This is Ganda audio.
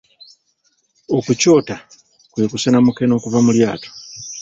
Okucota kwe kusena mukene okuva mu lyato.